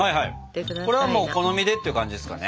これはもうお好みでっていう感じですかね。